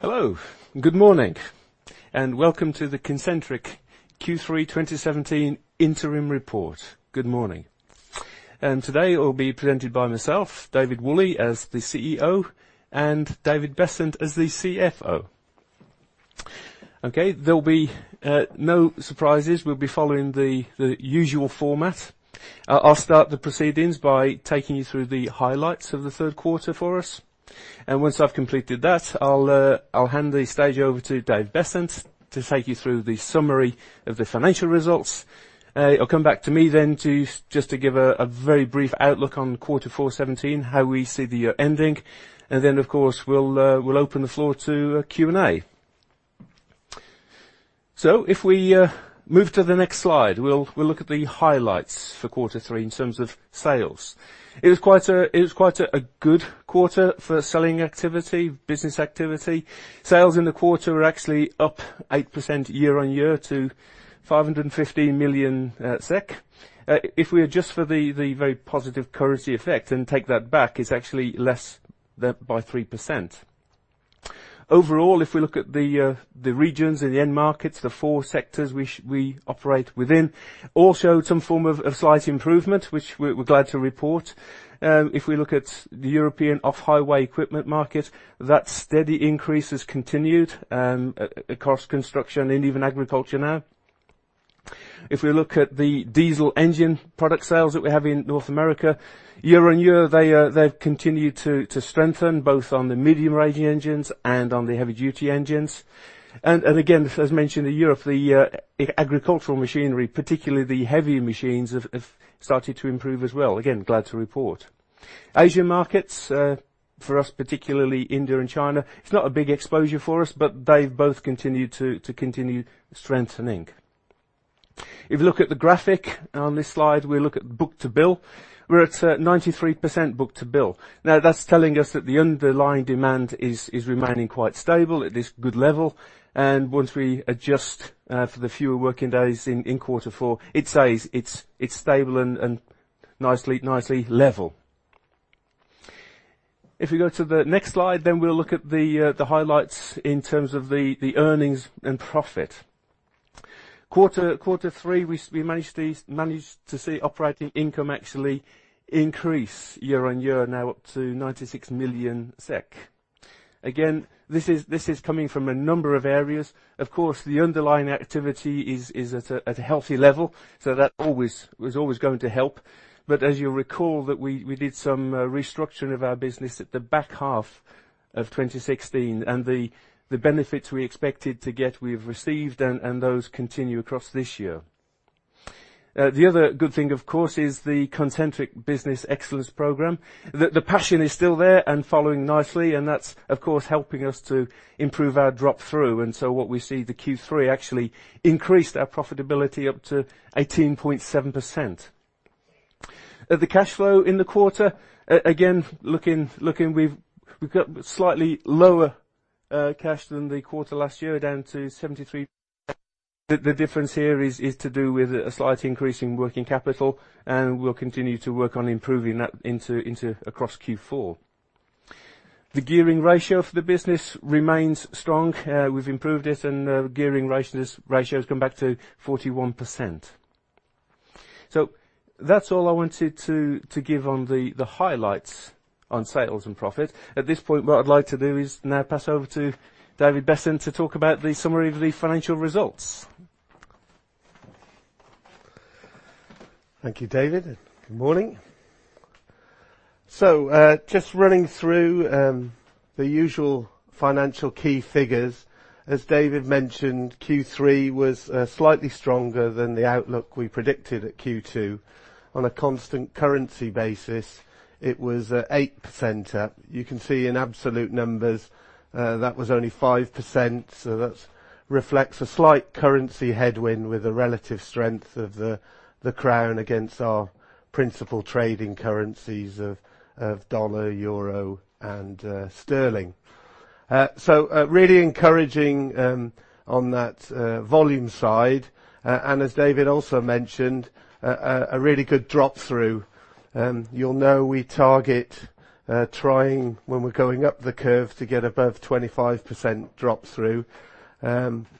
Hello. Good morning, and welcome to the Concentric Q3 2017 interim report. Good morning. Today it will be presented by myself, David Woolley, as the CEO, and David Bessant as the CFO. Okay. There'll be no surprises. We'll be following the usual format. I'll start the proceedings by taking you through the highlights of the third quarter for us. Once I've completed that, I'll hand the stage over to Dave Bessant to take you through the summary of the financial results. It'll come back to me just to give a very brief outlook on Q4 2017, how we see the year ending, of course, we'll open the floor to Q&A. If we move to the next slide, we'll look at the highlights for Q3 in terms of sales. It was quite a good quarter for selling activity, business activity. Sales in the quarter were actually up 8% year-over-year to 550 million SEK. If we adjust for the very positive currency effect and take that back, it's actually less by 3%. Overall, if we look at the regions and the end markets, the 4 sectors which we operate within, all show some form of slight improvement, which we're glad to report. If we look at the European off-highway equipment market, that steady increase has continued across construction and even agriculture now. If we look at the diesel engine product sales that we have in North America, year-over-year, they've continued to strengthen both on the medium-range engines and on the heavy-duty engines. Again, as mentioned, the agricultural machinery, particularly the heavier machines, have started to improve as well. Again, glad to report. Asian markets, for us, particularly India and China, it's not a big exposure for us, but they've both continued to strengthen. If you look at the graphic on this slide, we look at book-to-bill. We're at 93% book-to-bill. That's telling us that the underlying demand is remaining quite stable at this good level. Once we adjust for the fewer working days in Q4, it says it's stable and nicely level. If we go to the next slide, we'll look at the highlights in terms of the earnings and profit. Q3, we managed to see operating income actually increase year-over-year, now up to 96 million SEK. This is coming from a number of areas. Of course, the underlying activity is at a healthy level, so that was always going to help. As you'll recall that we did some restructuring of our business at the back half of 2016, the benefits we expected to get, we've received, and those continue across this year. The other good thing, of course, is the Concentric Business Excellence program. The passion is still there and following nicely, and that's, of course, helping us to improve our drop-through. What we see the Q3 actually increased our profitability up to 18.7%. The cash flow in the quarter, again, looking, we've got slightly lower cash than the quarter last year, down to 73. The difference here is to do with a slight increase in working capital, we'll continue to work on improving that across Q4. The gearing ratio for the business remains strong. We've improved it, the gearing ratio has come back to 41%. That's all I wanted to give on the highlights on sales and profit. At this point, what I'd like to do is now pass over to David Bessant to talk about the summary of the financial results. Thank you, David. Good morning. Just running through the usual financial key figures. As David mentioned, Q3 was slightly stronger than the outlook we predicted at Q2. On a constant currency basis, it was 8% up. You can see in absolute numbers, that was only 5%, that reflects a slight currency headwind with the relative strength of the crown against our principal trading currencies of USD, EUR, and GBP. Really encouraging on that volume side. As David also mentioned, a really good drop-through. You'll know we target trying, when we're going up the curve, to get above 25% drop-through.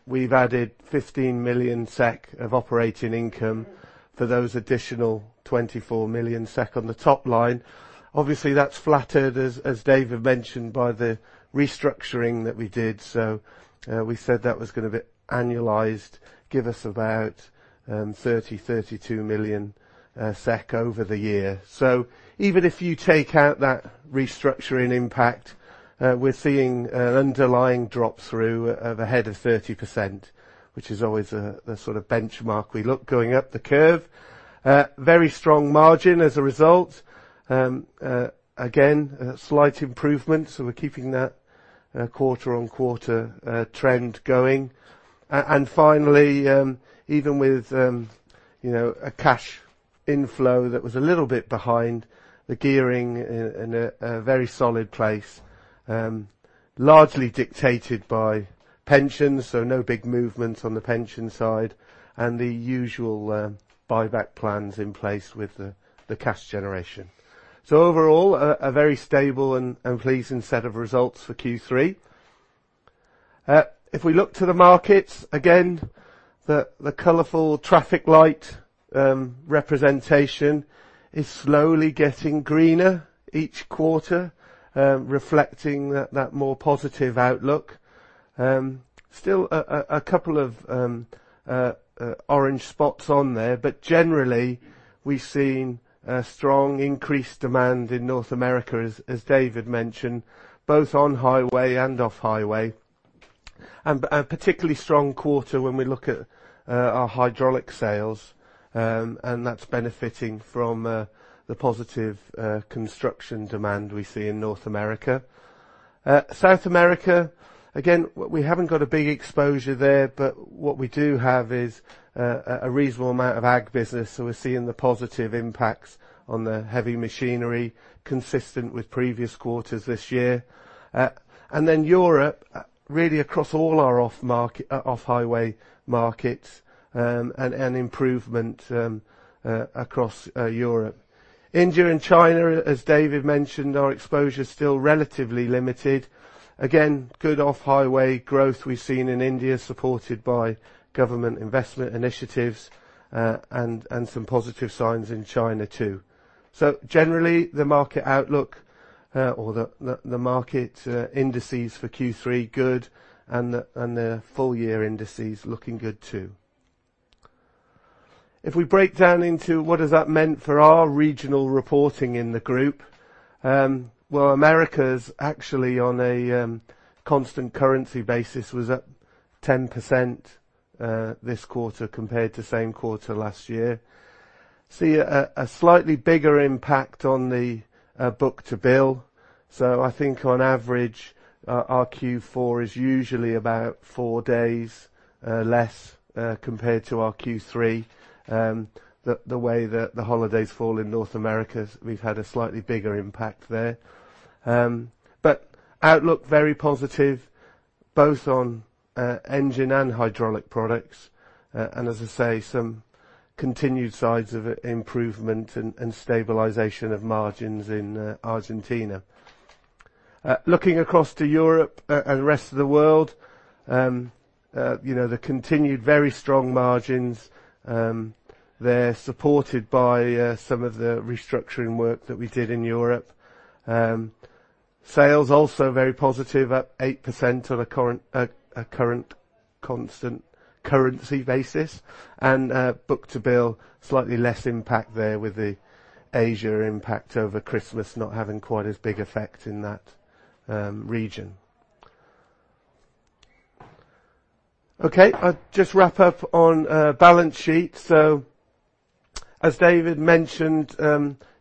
We've added 15 million SEK of operating income for those additional 24 million SEK on the top line. Obviously, that's flattered, as David mentioned, by the restructuring that we did, we said that was going to, annualized, give us about 30, 32 million SEK over the year. Even if you take out that restructuring impact, we're seeing an underlying drop-through of ahead of 30%, which is always the sort of benchmark we look going up the curve. Very strong margin as a result. Again, a slight improvement, we're keeping that quarter-on-quarter trend going. Finally, even with a cash inflow that was a little bit behind the gearing in a very solid place largely dictated by Pensions, no big movements on the pension side, and the usual buyback plans in place with the cash generation. Overall, a very stable and pleasing set of results for Q3. If we look to the markets, again, the colorful traffic light representation is slowly getting greener each quarter, reflecting that more positive outlook. Still a couple of orange spots on there, generally, we've seen a strong increased demand in North America, as David mentioned, both on highway and off-highway. A particularly strong quarter when we look at our hydraulic sales, that's benefiting from the positive construction demand we see in North America. South America, again, we haven't got a big exposure there, what we do have is a reasonable amount of ag business, we're seeing the positive impacts on the heavy machinery consistent with previous quarters this year. Europe, really across all our off-highway markets, an improvement across Europe. India and China, as David mentioned, our exposure is still relatively limited. Good off-highway growth we've seen in India, supported by government investment initiatives, some positive signs in China too. Generally, the market outlook, or the market indices for Q3, good, the full-year indices looking good too. If we break down into what has that meant for our regional reporting in the group. Well, Americas actually on a constant currency basis, was up 10% this quarter compared to same quarter last year. See a slightly bigger impact on the book-to-bill. I think on average, our Q4 is usually about four days less compared to our Q3. The way that the holidays fall in North Americas, we've had a slightly bigger impact there. Outlook very positive both on engine and hydraulic products, as I say, some continued signs of improvement and stabilization of margins in Argentina. Looking across to Europe and the rest of the world, the continued very strong margins. They're supported by some of the restructuring work that we did in Europe. Sales also very positive, up 8% on a current constant currency basis, book-to-bill, slightly less impact there with the Asia impact over Christmas not having quite as big effect in that region. Okay. I'll just wrap up on balance sheet. As David mentioned,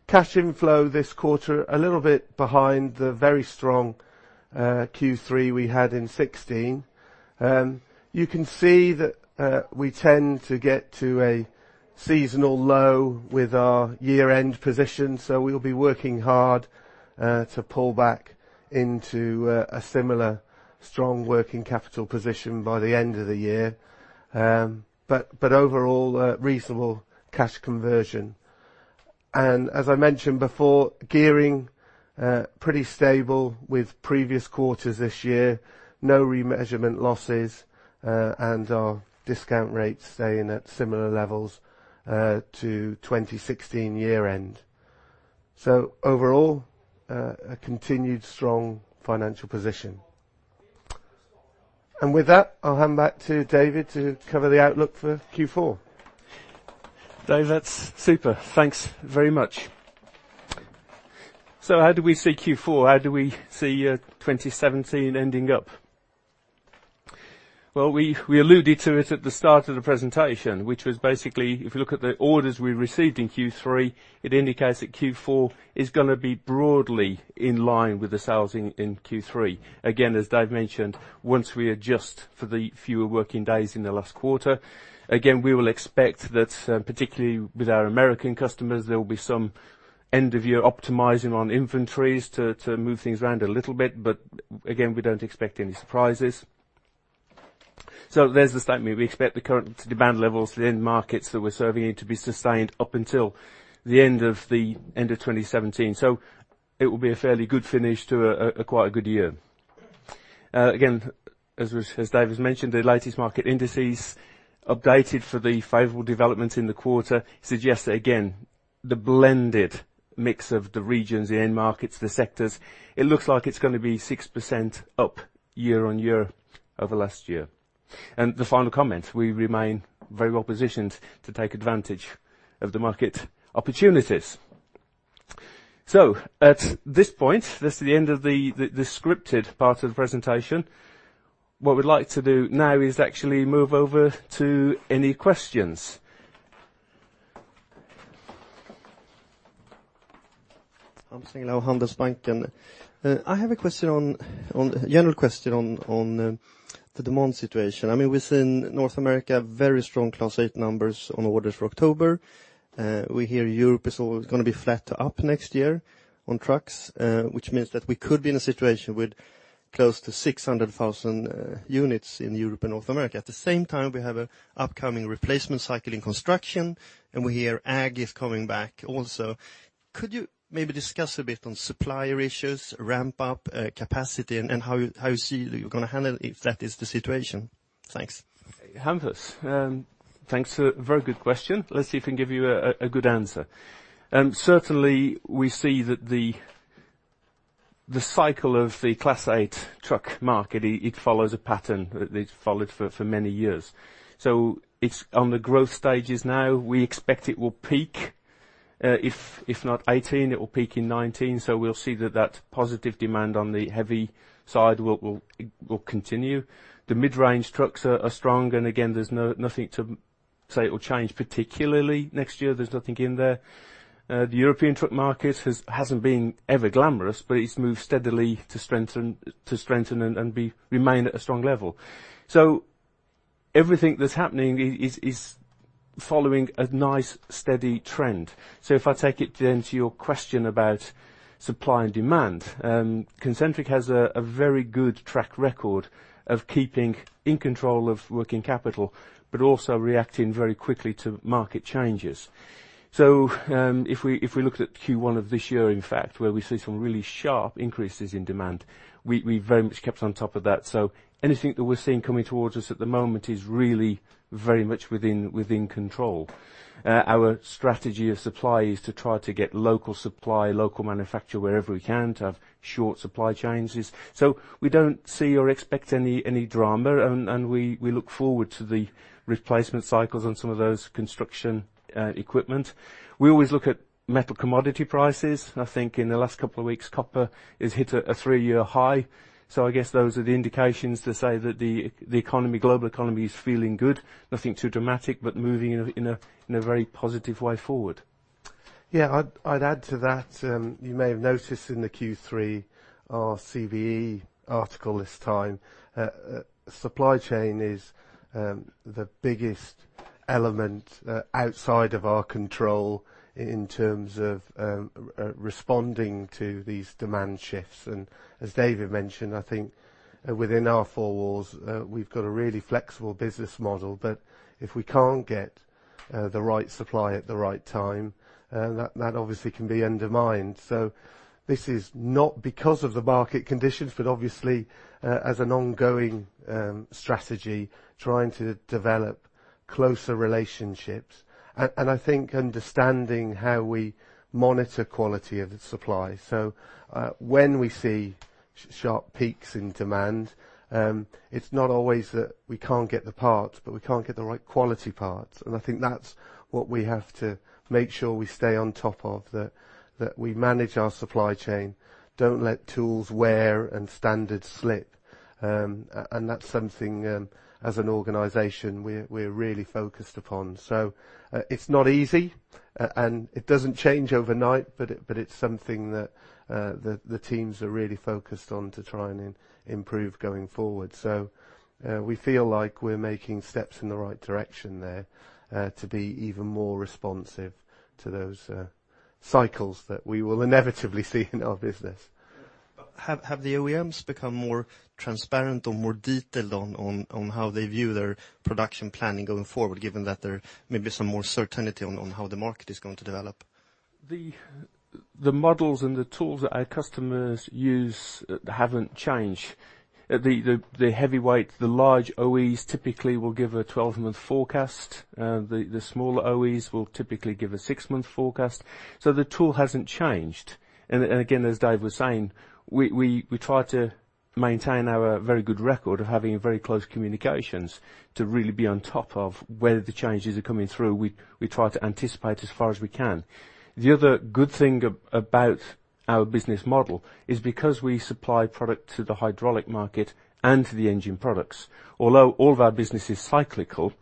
cash inflow this quarter, a little bit behind the very strong Q3 we had in 2016. You can see that we tend to get to a seasonal low with our year-end position, so we'll be working hard to pull back into a similar strong working capital position by the end of the year. Overall, reasonable cash conversion. As I mentioned before, gearing, pretty stable with previous quarters this year. No remeasurement losses, our discount rates staying at similar levels to 2016 year-end. Overall, a continued strong financial position. With that, I'll hand back to David to cover the outlook for Q4. Dave, that's super. Thanks very much. How do we see Q4? How do we see 2017 ending up? Well, we alluded to it at the start of the presentation, which was basically, if you look at the orders we received in Q3, it indicates that Q4 is going to be broadly in line with the sales in Q3. As Dave mentioned, once we adjust for the fewer working days in the last quarter. We will expect that, particularly with our American customers, there will be some end-of-year optimizing on inventories to move things around a little bit. Again, we don't expect any surprises. There's the statement. We expect the current demand levels in the markets that we're serving to be sustained up until the end of 2017. It will be a fairly good finish to a quite a good year. As David's mentioned, the latest market indices updated for the favorable developments in the quarter suggest that again, the blended mix of the regions, the end markets, the sectors, it looks like it's gonna be 6% up year-over-year over last year. The final comment, we remain very well positioned to take advantage of the market opportunities. At this point, this is the end of the scripted part of the presentation. What we'd like to do now is actually move over to any questions. Hans Engelaa, Handelsbanken. I have a general question on the demand situation. We've seen North America, very strong Class 8 numbers on orders for October. We hear Europe is going to be flat to up next year on trucks, which means that we could be in a situation with close to 600,000 units in Europe and North America. At the same time, we have an upcoming replacement cycle in construction, and we hear ag is coming back also. Could you maybe discuss a bit on supplier issues, ramp-up capacity, and how you see that you're going to handle if that is the situation? Thanks. Hans. Thanks. A very good question. Let's see if we can give you a good answer. Certainly, we see that the cycle of the Class 8 truck market, it follows a pattern that it's followed for many years. It's on the growth stages now. We expect it will peak, if not 2018, it will peak in 2019. We'll see that positive demand on the heavy side will continue. The mid-range trucks are strong, and again, there's nothing to say it will change particularly next year. There's nothing in there. The European truck market hasn't been ever glamorous, but it's moved steadily to strengthen and remain at a strong level. Everything that's happening is following a nice steady trend. If I take it then to your question about supply and demand. Concentric has a very good track record of keeping in control of working capital, but also reacting very quickly to market changes. If we look at Q1 of this year, in fact, where we see some really sharp increases in demand, we very much kept on top of that. Anything that we're seeing coming towards us at the moment is really very much within control. Our strategy of supply is to try to get local supply, local manufacture wherever we can to have short supply chains. We don't see or expect any drama, and we look forward to the replacement cycles on some of those construction equipment. We always look at metal commodity prices. I think in the last couple of weeks, copper has hit a three-year high. I guess those are the indications to say that the global economy is feeling good. Nothing too dramatic, but moving in a very positive way forward. Yeah, I'd add to that. You may have noticed in the Q3, our CBE article this time. Supply chain is the biggest element outside of our control in terms of responding to these demand shifts. As David mentioned, I think within our four walls, we've got a really flexible business model. If we can't get the right supply at the right time, that obviously can be undermined. This is not because of the market conditions, but obviously, as an ongoing strategy, trying to develop closer relationships. I think understanding how we monitor quality of the supply. When we see sharp peaks in demand, it's not always that we can't get the parts, but we can't get the right quality parts. I think that's what we have to make sure we stay on top of, that we manage our supply chain, don't let tools wear and standards slip. That's something, as an organization, we're really focused upon. It's not easy, and it doesn't change overnight, but it's something that the teams are really focused on to try and improve going forward. We feel like we're making steps in the right direction there, to be even more responsive to those cycles that we will inevitably see in our business. Have the OEMs become more transparent or more detailed on how they view their production planning going forward, given that there may be some more certainty on how the market is going to develop? The models and the tools that our customers use haven't changed. The heavyweight, the large OEs, typically will give a 12-month forecast. The smaller OEs will typically give a six-month forecast. The tool hasn't changed. Again, as Dave was saying, we try to maintain our very good record of having very close communications to really be on top of where the changes are coming through. We try to anticipate as far as we can. The other good thing about our business model is because we supply product to the hydraulic market and to the engine products, although all of our business is cyclical,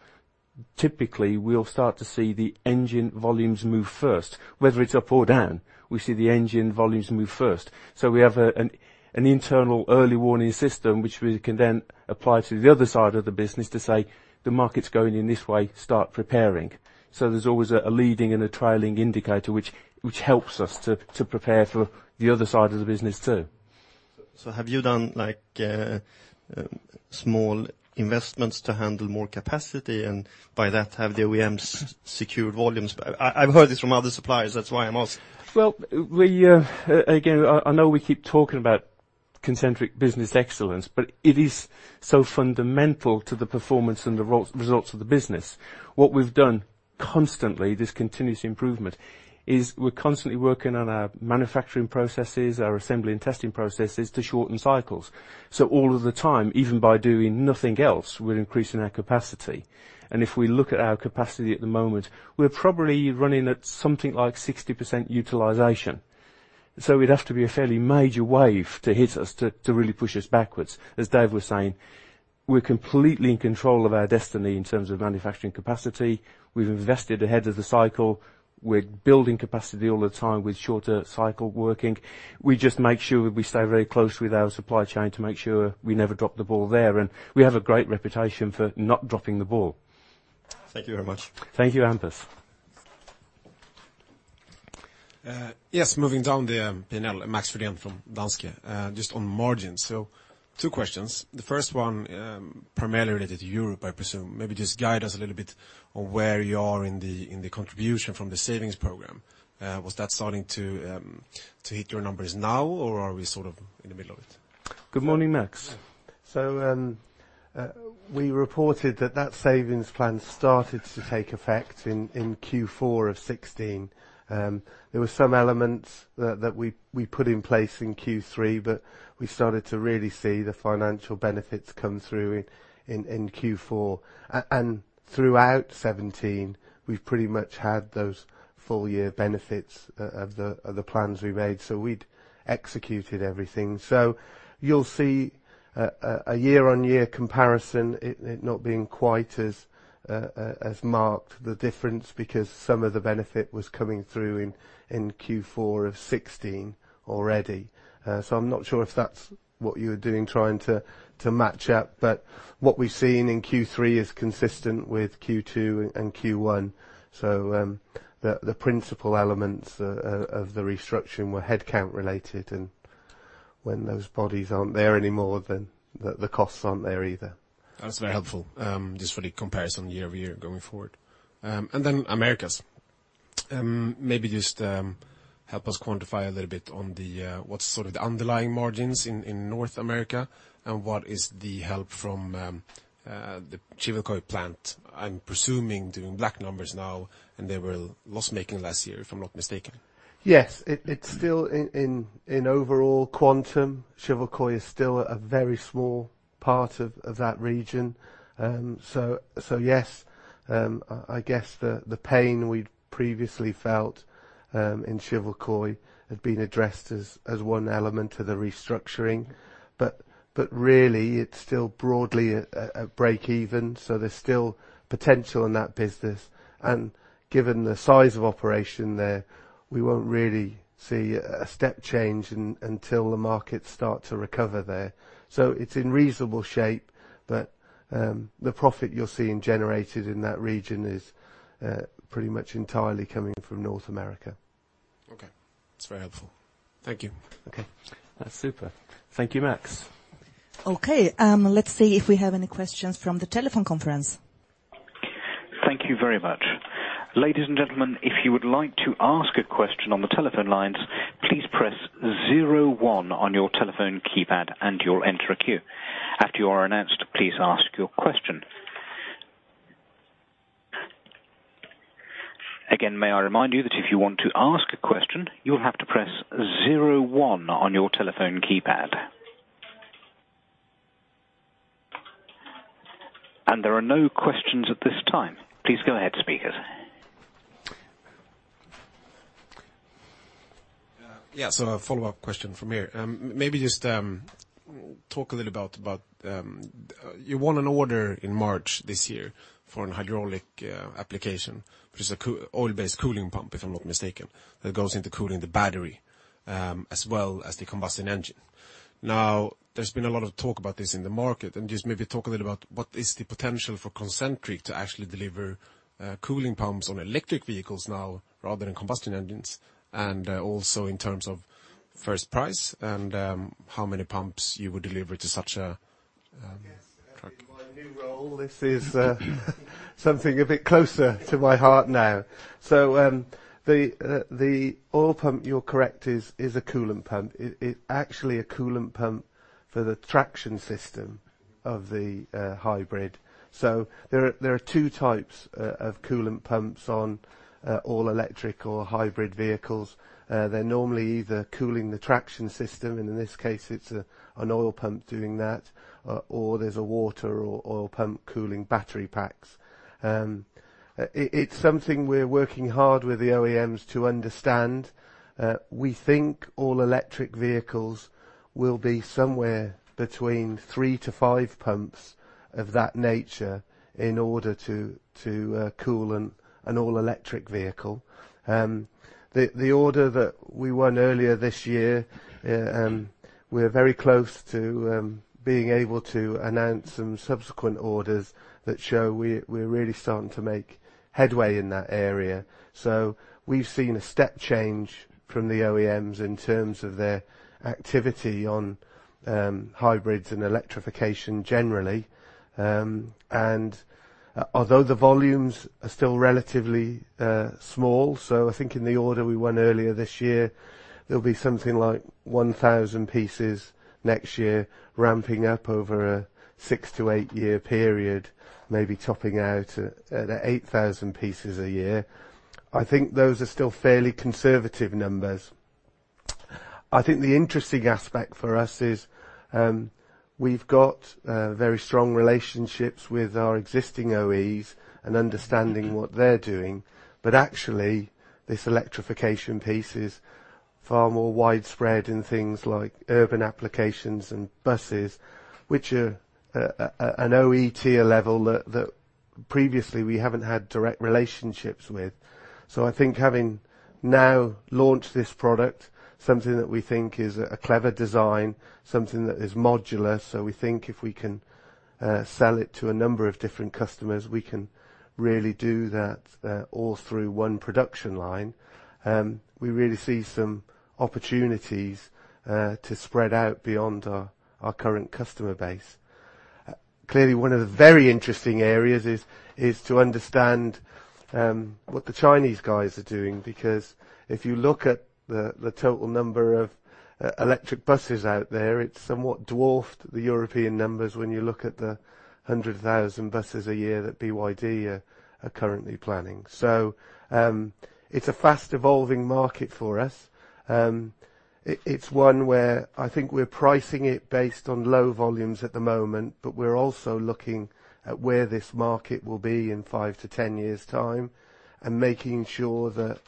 typically, we'll start to see the engine volumes move first. Whether it's up or down, we see the engine volumes move first. We have an internal early warning system, which we can then apply to the other side of the business to say, "The market's going in this way. Start preparing." There's always a leading and a trailing indicator, which helps us to prepare for the other side of the business, too. Have you done small investments to handle more capacity? By that, have the OEMs secured volumes? I've heard this from other suppliers. That's why I'm asking. Again, I know we keep talking about Concentric Business Excellence, but it is so fundamental to the performance and the results of the business. What we've done constantly, this continuous improvement, is we're constantly working on our manufacturing processes, our assembly and testing processes to shorten cycles. All of the time, even by doing nothing else, we're increasing our capacity. If we look at our capacity at the moment, we're probably running at something like 60% utilization. It'd have to be a fairly major wave to hit us to really push us backwards. As Dave was saying, we're completely in control of our destiny in terms of manufacturing capacity. We've invested ahead of the cycle. We're building capacity all the time with shorter cycle working. We just make sure that we stay very close with our supply chain to make sure we never drop the ball there. We have a great reputation for not dropping the ball. Thank you very much. Thank you, Hans. Yes, moving down the P&L, Max Frydén from Danske. Just on margins, two questions. The first one, primarily related to Europe, I presume. Maybe just guide us a little bit on where you are in the contribution from the savings program. Was that starting to hit your numbers now, or are we sort of in the middle of it? Good morning, Max. We reported that that savings plan started to take effect in Q4 2016. There were some elements that we put in place in Q3, but we started to really see the financial benefits come through in Q4. Throughout 2017, we've pretty much had those full year benefits of the plans we made. We'd executed everything. You'll see a year-on-year comparison, it not being quite as marked, the difference, because some of the benefit was coming through in Q4 2016 already. I'm not sure if that's what you were doing, trying to match up. What we've seen in Q3 is consistent with Q2 and Q1. The principal elements of the restructure were headcount related, and when those bodies aren't there anymore, then the costs aren't there either. That's very helpful just for the comparison year-over-year going forward. Then Americas. Maybe just help us quantify a little bit on the what's sort of the underlying margins in North America, and what is the help from the Lonikand plant, I'm presuming, doing black numbers now, and they were loss-making last year, if I'm not mistaken. Yes. In overall quantum, Lonikand is still a very small part of that region. Yes, I guess the pain we'd previously felt in Lonikand had been addressed as one element of the restructuring. Really, it's still broadly a break even, there's still potential in that business, and given the size of operation there, we won't really see a step change until the markets start to recover there. It's in reasonable shape, but the profit you're seeing generated in that region is pretty much entirely coming from North America. Okay. That's very helpful. Thank you. Okay. That's super. Thank you, Max. Okay, let's see if we have any questions from the telephone conference. Thank you very much. Ladies and gentlemen, if you would like to ask a question on the telephone lines, please press zero one on your telephone keypad, and you'll enter a queue. After you are announced, please ask your question. Again, may I remind you that if you want to ask a question, you'll have to press zero one on your telephone keypad. There are no questions at this time. Please go ahead, speakers. Yeah. A follow-up question from here. Maybe just talk a little about, you won an order in March this year for an hydraulic application, which is an oil-based cooling pump, if I'm not mistaken. That goes into cooling the battery, as well as the combustion engine. There's been a lot of talk about this in the market, and just maybe talk a little about what is the potential for Concentric to actually deliver cooling pumps on electric vehicles now rather than combustion engines, and also in terms of first price and how many pumps you would deliver to such a truck. I guess in my new role, this is something a bit closer to my heart now. The oil pump, you're correct, is a coolant pump. It's actually a coolant pump for the traction system of the hybrid. There are two types of coolant pumps on all electric or hybrid vehicles. They're normally either cooling the traction system, and in this case, it's an oil pump doing that, or there's a water or oil pump cooling battery packs. It's something we're working hard with the OEMs to understand. We think all electric vehicles will be somewhere between 3 to 5 pumps of that nature in order to cool an all-electric vehicle. The order that we won earlier this year, we're very close to being able to announce some subsequent orders that show we're really starting to make headway in that area. We've seen a step change from the OEMs in terms of their activity on hybrids and electrification generally. Although the volumes are still relatively small, I think in the order we won earlier this year, there'll be something like 1,000 pieces next year ramping up over a 6 to 8-year period, maybe topping out at 8,000 pieces a year. I think those are still fairly conservative numbers. I think the interesting aspect for us is we've got very strong relationships with our existing OEs and understanding what they're doing. Actually, this electrification piece is far more widespread in things like urban applications and buses, which are an OE tier level that previously, we haven't had direct relationships with. I think having now launched this product, something that we think is a clever design, something that is modular. We think if we can sell it to a number of different customers, we can really do that all through one production line. We really see some opportunities to spread out beyond our current customer base. Clearly, one of the very interesting areas is to understand what the Chinese guys are doing, because if you look at the total number of electric buses out there, it's somewhat dwarfed the European numbers when you look at the 100,000 buses a year that BYD are currently planning. It's a fast-evolving market for us. It's one where I think we're pricing it based on low volumes at the moment, but we're also looking at where this market will be in 5 to 10 years' time and making sure that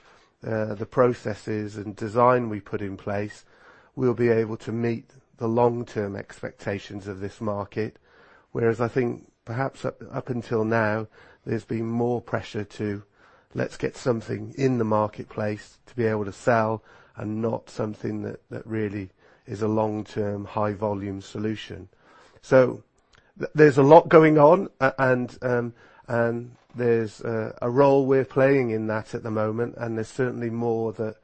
the processes and design we put in place will be able to meet the long-term expectations of this market. Whereas I think perhaps up until now, there's been more pressure to, let's get something in the marketplace to be able to sell and not something that really is a long-term, high-volume solution. There's a lot going on, and there's a role we're playing in that at the moment, and there's certainly more that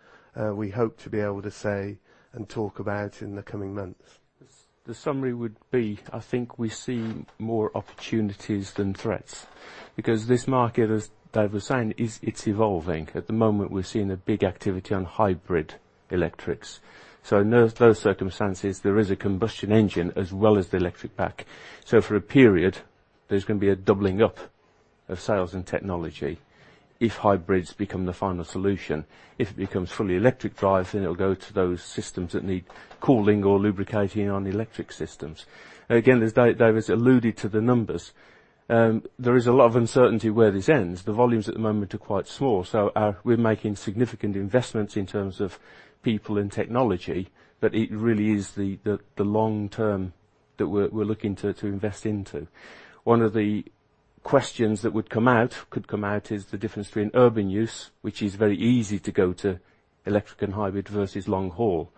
we hope to be able to say and talk about in the coming months. The summary would be, I think we see more opportunities than threats because this market, as David was saying, it's evolving. At the moment, we're seeing a big activity on hybrid electrics. In those circumstances, there is a combustion engine as well as the electric pack. For a period, there's going to be a doubling up of sales and technology if hybrids become the final solution. If it becomes fully electric drive, then it'll go to those systems that need cooling or lubricating on electric systems. Again, as David's alluded to the numbers, there is a lot of uncertainty where this ends. The volumes at the moment are quite small, so we're making significant investments in terms of people and technology, but it really is the long term that we're looking to invest into. One of the questions that could come out is the difference between urban use, which is very easy to go to electric and hybrid versus long haul.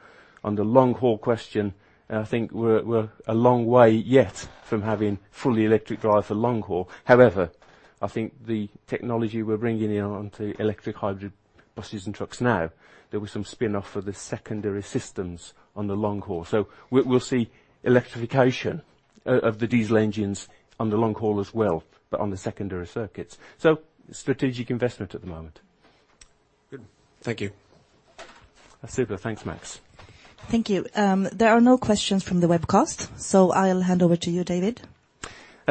On the long haul question, I think we're a long way yet from having fully electric drive for long haul. However, I think the technology we're bringing in onto electric hybrid buses and trucks now, there was some spin-off of the secondary systems on the long haul. We'll see electrification of the diesel engines on the long haul as well, but on the secondary circuits. Strategic investment at the moment. Good. Thank you. Super. Thanks, Max. Thank you. There are no questions from the webcast. I'll hand over to you, David.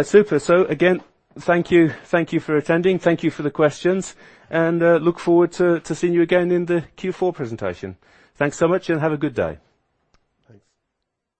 Super. Again, thank you. Thank you for attending. Thank you for the questions, and look forward to seeing you again in the Q4 presentation. Thanks so much and have a good day. Thanks.